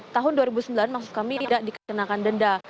tahun dua ribu sembilan maksud kami tidak dikenakan denda